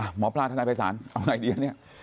อ่ะหมอพลาทนายภัยศาลเอาไงดีอันนี้